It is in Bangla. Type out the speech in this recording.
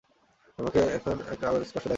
মা এখন আমাকে এই আলোক স্পষ্ট দেখাচ্ছেন।